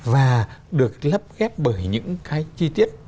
và được lấp ghép bởi những cái chi tiết